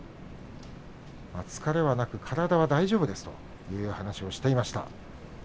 疲れはなく体は大丈夫ですという話をしていました。